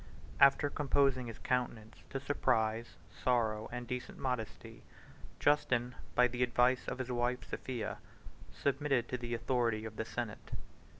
After composing his countenance to surprise, sorrow, and decent modesty, Justin, by the advice of his wife Sophia, submitted to the authority of the senate.